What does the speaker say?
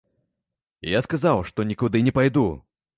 Я сказаў, што нікуды не пайду.